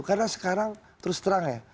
karena sekarang terus terang ya